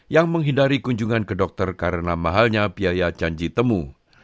yang menghindari kunjungan ke dokter karena mahalnya biaya janji temu